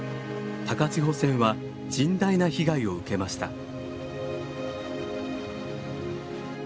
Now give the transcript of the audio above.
高千穂線は甚大な被害を受けました。